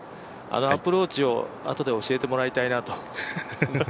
アプローチをあとで教えてもらいたいなと。